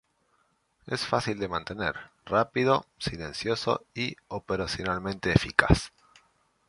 Es fácil de mantener, rápido, silencioso y operacionalmente eficaz.